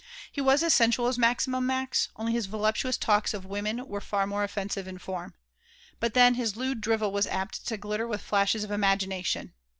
He was as sensual as Maximum Max, only his voluptuous talks of women were far more offensive in form. But then his lewd drivel was apt to glitter with flashes of imagination.